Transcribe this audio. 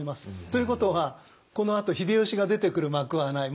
ということはこのあと秀吉が出てくる幕はない。